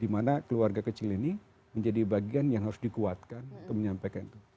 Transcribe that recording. dimana keluarga kecil ini menjadi bagian yang harus dikuatkan untuk menyampaikan itu